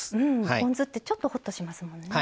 ポン酢って、ちょっとほっとしますもんね。